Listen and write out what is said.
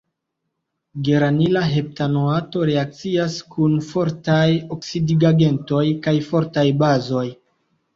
Geranila heptanoato reakcias kun fortaj oksidigagentoj kaj fortaj bazoj.